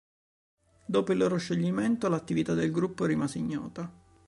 Dopo il loro scioglimento, l'attività del gruppo rimase ignota.